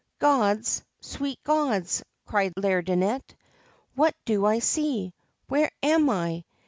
'Gods, sweet gods!' cried Laideronnette, 'what do I see? Where am I